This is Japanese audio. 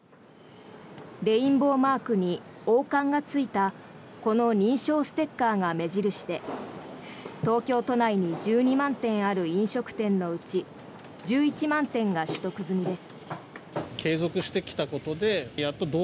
レインボーマークに王冠がついたこの認証ステッカーが目印で東京都内に１２万店ある飲食店のうち１１万店が取得済みです。